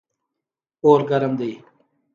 اور ګرم دی.